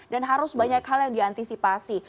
dan harus banyak hal yang diantisipasi